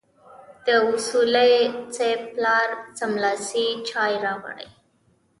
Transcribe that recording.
د اصولي صیب پلار سملاسي چای راوړې.